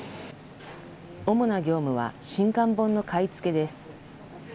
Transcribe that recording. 主な業務は新刊本の買い付けです。